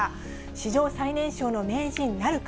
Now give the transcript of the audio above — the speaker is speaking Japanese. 史上最年少の名人なるか。